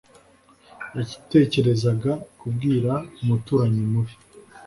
Yatekerezaga kubwira umuturanyi mubi